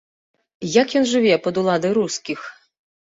Як ён жыве пад уладай рускіх?